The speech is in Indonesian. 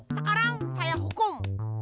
sekarang saya hukum